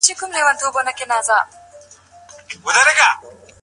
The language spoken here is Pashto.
داستاني ادبیات ډېره پاملرنه غواړي.